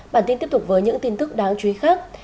bản tin tiếp tục với những tin tức đáng chú ý khác